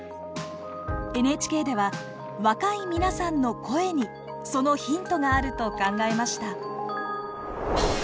ＮＨＫでは若い皆さんの声にそのヒントがあると考えました。